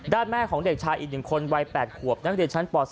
ด้านแม่ของเด็กชายอีก๑คนวัย๘ขวบนักศึกษาชั้นป๒